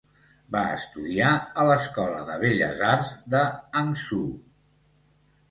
Va estudiar a l'Escola de Belles Arts de Hangzhou.